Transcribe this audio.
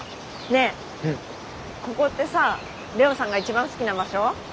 ねえここってさ怜央さんが一番好きな場所？